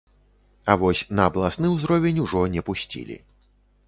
А вось на абласны ўзровень ужо не пусцілі.